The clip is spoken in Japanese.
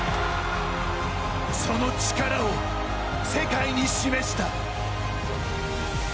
その力を世界に示した。